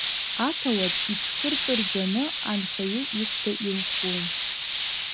Аҭауад иҽхыртырӡаны анхаҩы ихәда ирӷәӷәон.